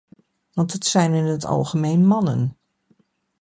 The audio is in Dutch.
Want het zijn in het algemeen mannen!